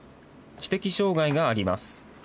知的障害があります。